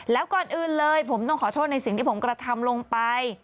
แล้วก่อนอื่นเลยผมต้องขอโทษในสิ่งที่ผมกระทำลงไป